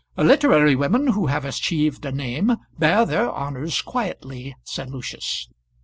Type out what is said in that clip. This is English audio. "Literary women who have achieved a name bear their honours quietly," said Lucius.